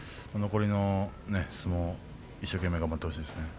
残りの相撲を一生懸命頑張ってほしいです。